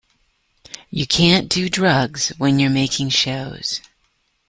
You can't do drugs when you're making shows.